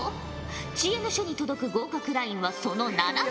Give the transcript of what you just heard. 知恵の書に届く合格ラインはその７割。